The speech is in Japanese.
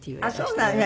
あっそうなの。